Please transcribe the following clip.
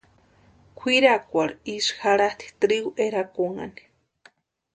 Kwʼirakwarhu isï jaratʼi trigu erakunhani.